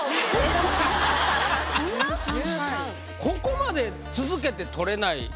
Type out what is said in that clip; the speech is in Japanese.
ここまで続けて取れない。